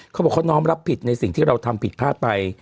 เขาบอกเขาน้อมรับผิดในสิ่งที่เราทำผิดพลาดไป